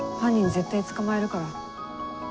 絶対捕まえるから。